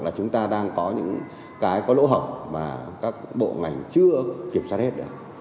là chúng ta đang có những cái có lỗ hổng mà các bộ ngành chưa kiểm soát hết được